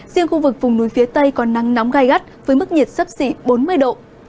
riêng khu vực vùng núi phía tây có nắng nóng gai gắt với mức nhiệt sấp xỉ bốn mươi độ